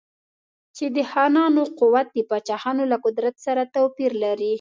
چې د خانانو قوت د پاچاهانو له قدرت سره توپیر لري.